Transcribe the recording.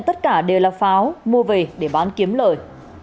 tất cả đều là pháo mua về để bán kiếm lời